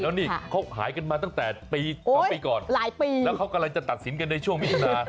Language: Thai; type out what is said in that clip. ถ้าหายเรื่องใหญ่แล้วค่ะ